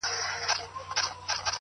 ستا په تعويذ كي به خپل زړه وويني!!